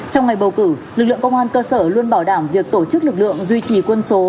trong ngày bầu cử lực lượng công an cơ sở luôn bảo đảm việc tổ chức lực lượng duy trì quân số